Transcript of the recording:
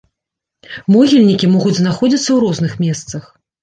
Могільнікі могуць знаходзіцца ў розных месцах.